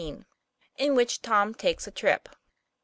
IN WHICH TOM TAKES A TRIP.